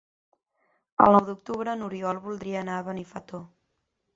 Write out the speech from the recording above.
El nou d'octubre n'Oriol voldria anar a Benifato.